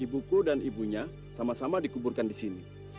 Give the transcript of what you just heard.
ibuku dan ibunya sama sama dikuburkan di sini